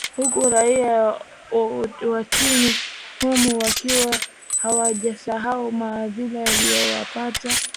huku raia wa nchini humo wakiwa hawajasahau madhila yaliyowapata